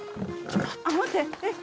あっ待ってえっ